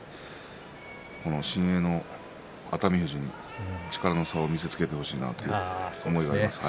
新鋭の熱海富士に力の差を見せつけてほしいと思います。